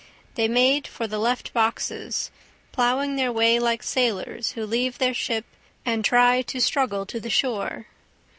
They made for the left boxes, plowing their way like sailors who leave their ship and try to struggle to the shore.